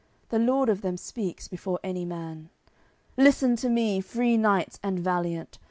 The lord of them speaks before any man: "Listen to me, free knights and valiant!